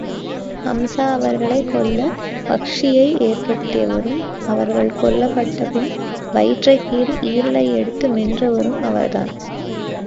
ஹம்ஸா அவர்களைக் கொல்ல வஹ்ஷியை ஏற்படுத்தியவரும், அவர்கள் கொல்லப்பட்ட பின் வயிற்றைக் கீறி ஈரலை எடுத்து மென்றவரும் அவர்தான்.